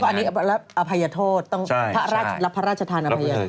พฤตดีก็ต้องอย่างนั้นครับใช่ใช่แล้วพระราชทานอภัยโทษ